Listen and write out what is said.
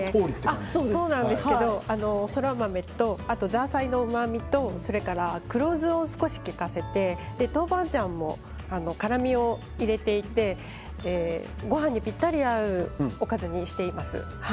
そら豆とザーサイのうまみと黒酢を少し利かせて豆板醤の辛みを入れていてごはんに、ぴったり合うおかずにしています。